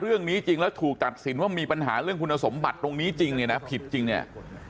จริงแล้วถูกตัดสินว่ามีปัญหาเรื่องคุณสมบัติตรงนี้จริงเนี่ยนะผิดจริงเนี่ย